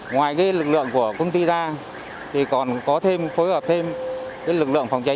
ngoài lực lượng của công ty ra còn có phối hợp thêm lực lượng phòng cháy